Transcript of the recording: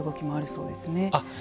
そうですね。